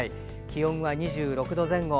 気温は２６度前後。